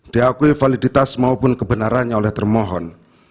diakui validitas maupun kebenarannya oleh termohon